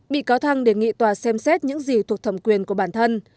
bị cáo thăng đề nghị tòa xem xét những gì thuộc thẩm quyền của bản thân